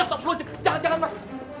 oslo jangan mas